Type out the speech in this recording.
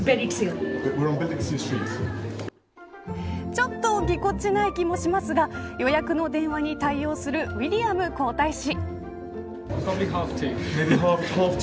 ちょっとぎこちない気もしますが予約の電話に対応するウィリアム皇太子。